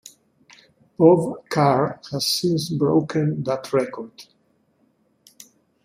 Bob Carr has since broken that record.